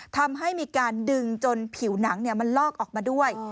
ทำให้มีการดึงจนผิวหนังมันลอกออกมาด้วย